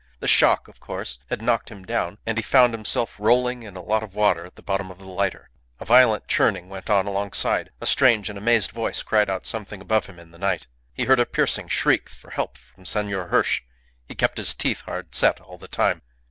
The shock, of course, had knocked him down, and he found himself rolling in a lot of water at the bottom of the lighter. A violent churning went on alongside; a strange and amazed voice cried out something above him in the night. He heard a piercing shriek for help from Senor Hirsch. He kept his teeth hard set all the time.